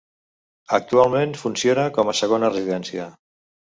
Actualment funciona com a segona residència.